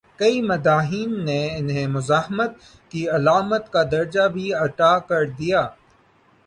کئی مداحین نے انہیں مزاحمت کی علامت کا درجہ بھی عطا کر دیا۔